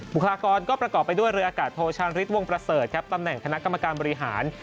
คลากรก็ประกอบไปด้วยเรืออากาศโทชานฤทธิวงประเสริฐครับตำแหน่งคณะกรรมการบริหาร